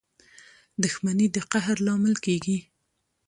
• دښمني د قهر لامل کېږي.